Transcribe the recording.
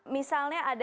misalnya ada sanksinya